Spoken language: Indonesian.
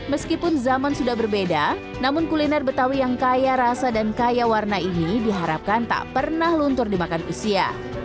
meskipun zaman sudah berbeda namun kuliner betawi yang kaya rasa dan kaya warna ini diharapkan tak pernah luntur dimakan usia